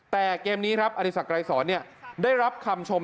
แต่เกมนี้อธิสักรายสรค์ได้รับคำชม